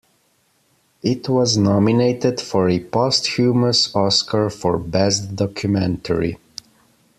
It was nominated for a posthumous Oscar for best documentary.